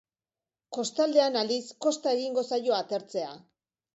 Kostaldean aldiz, kosta egingo zaio atertzea.